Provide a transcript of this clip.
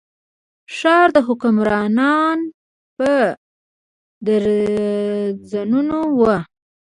ښار حکمرانان په درجنونو وو.